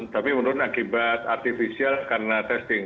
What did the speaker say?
tapi menurun akibat artifisial karena testing